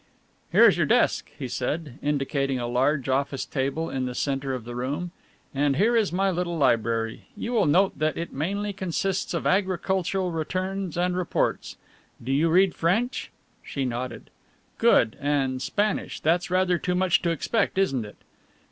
"Here is your desk," he said, indicating a large office table in the centre of the room, "and here is my little library. You will note that it mainly consists of agricultural returns and reports do you read French?" She nodded. "Good, and Spanish that's rather too much to expect, isn't it?"